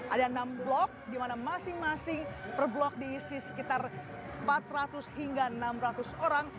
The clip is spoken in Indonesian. ada enam blok di mana masing masing per blok diisi sekitar empat ratus hingga enam ratus orang